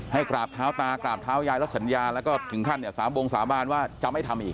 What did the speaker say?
ให้กราบเท้าตากราบเท้ายายและสัญญาและถึงขั้นสามโบงสาวบ้านว่าจะไม่ทำอีก